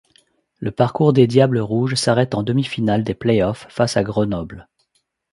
Le parcours des diables rouges s'arrête en demi-finale des playoffs face à Grenoble.